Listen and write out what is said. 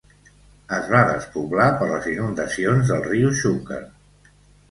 Es va despoblar per les inundacions del riu Xúquer.